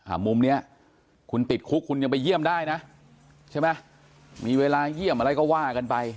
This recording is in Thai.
มุมเนี้ยคุณติดคุกคุณยังไปเยี่ยมได้นะใช่ไหมมีเวลาเยี่ยมอะไรก็ว่ากันไป